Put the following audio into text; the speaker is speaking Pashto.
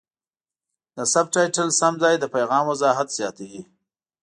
د سبټایټل سم ځای د پیغام وضاحت زیاتوي.